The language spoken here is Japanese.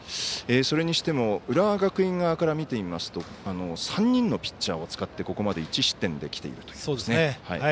それにしても浦和学院側から見てみますと３人のピッチャーを使ってここまで１失点できているという。